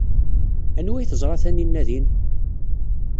Anwa ay teẓra Taninna din?